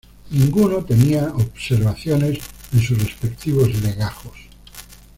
Ninguno tenía observaciones en sus respectivos legajos.